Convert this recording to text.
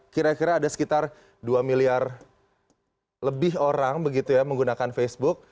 kira kira ada sekitar dua miliar lebih orang begitu ya menggunakan facebook